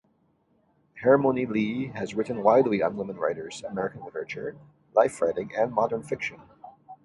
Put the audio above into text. Hermione Lee has written widely on women writers, American literature, life-writing, and modern fiction.